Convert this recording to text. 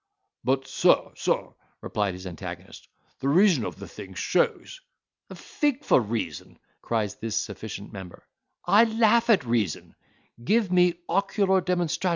"But sir, sir," replied his antagonist, "the reason of the thing shows—" "A fig for reason," cries this sufficient member; "I laugh at reason; give me ocular demonstratio."